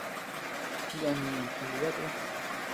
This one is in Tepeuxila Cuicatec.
Yánaa ñeʼën chiniiyat uu.